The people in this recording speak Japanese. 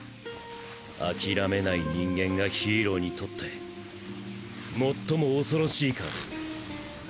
諦めない人間がヒーローにとって最も恐ろしいからです。